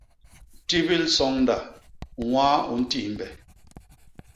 Tibil soñda ñwaa u ntimbhe.